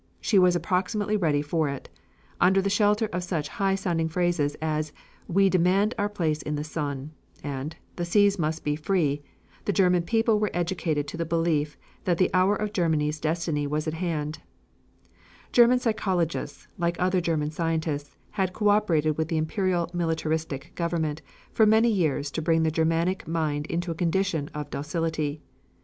She was approximately ready for it. Under the shelter of such high sounding phrases as "We demand our place in the sun," and "The seas must be free," the German people were educated into the belief that the hour of Germany's destiny was at hand. [Illustration: Map of Africa.] GERMANY'S POSSESSIONS IN AFRICA PRIOR TO 1914 German psychologists, like other German scientists, had co operated with the imperial militaristic government for many years to bring the Germanic mind into a condition of docility.